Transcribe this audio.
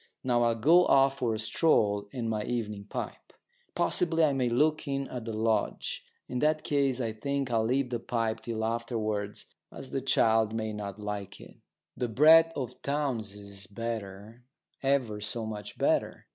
Now I'll go off for a stroll and my evening pipe. Possibly I may look in at the lodge. In that case I think I'll leave the pipe till afterwards, as the child may not like it. That brat of Townes' is better ever so much better.